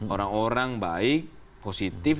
orang orang baik positif